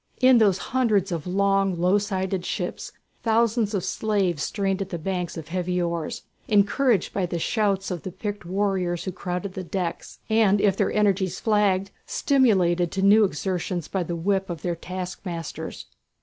In those hundreds of long, low sided ships thousands of slaves strained at the banks of heavy oars, encouraged by the shouts of the picked warriors who crowded the decks, and if their energies flagged, stimulated to new exertions by the whip of their taskmasters.